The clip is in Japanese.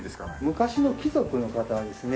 昔の貴族の方はですね